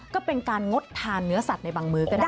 ก็เป็นการงดทานเนื้อสัตว์ในบางมื้อก็ได้